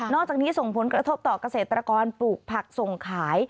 อกจากนี้ส่งผลกระทบต่อเกษตรกรปลูกผักส่งขาย